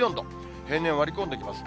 平年を割り込んできます。